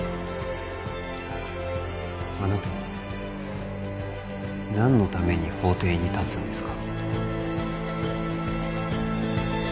あなたは何のために法廷に立つんですか？